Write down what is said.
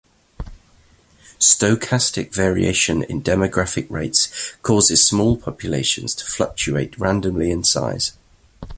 Stochastic variation in demographic rates causes small populations to fluctuate randomly in size.